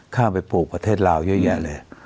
ข้าวไปปลูกประเทศลาวเยอะแยะเลย